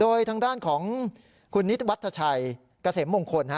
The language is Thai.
โดยทางด้านของคุณนิตวัฒนาชัยกะเสมมงคล